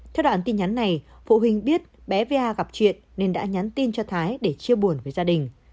theo đoạn tin nhắn này phụ huynh biết bé gặp chuyện nên đã nhắn tin cho thái để chia buồn với gia đình